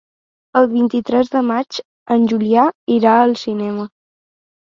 El vint-i-tres de maig en Julià irà al cinema.